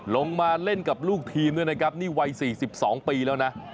ลงมาเล่นกับลูกทีมด้วยนะครับนี่วัย๔๒ปีแล้วนะ